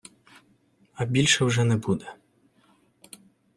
а більше вже не буде